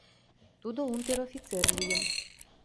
Тудо унтер-офицер лийын.